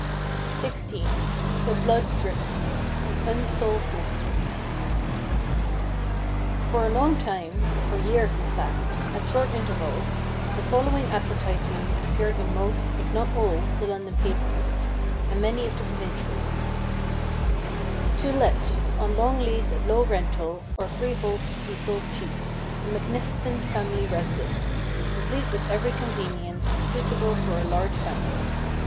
561 XVI THE BLOOD DRIPS AN UNSOLVED MYSTERY For a long time — for years, in fact — at short intervals, the following advertisement appeared in most, if not all, the London papers, and many of the provincial ones : TO LET, on long lease at low rental, or Freehold to be sold cheap, a magnificent Family Eesidence, complete with every conveni ence, suitable for a large family.